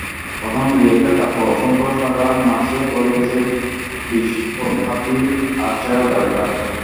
প্রথমে দু-একটা, তারপর অসংখ্য সাদা মাছে ভরে গেছে বিশহাতি আধছেঁড়া জালটা।